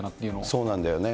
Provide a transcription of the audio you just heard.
そうなんだよね。